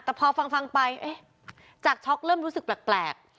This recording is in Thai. แต่พอฟังไปจากช็อกเริ่มรู้สึกแปลก